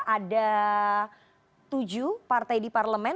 ada tujuh partai di parlemen